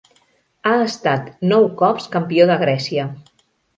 Ha estat nou cops campió de Grècia.